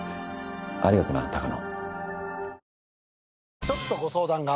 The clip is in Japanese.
ありがとな鷹野。